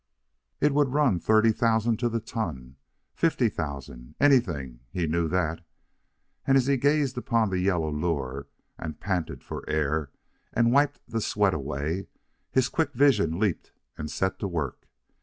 It would run thirty thousand to the ton, fifty thousand, anything he knew that. And as he gazed upon the yellow lure, and panted for air, and wiped the sweat away, his quick vision leaped and set to work.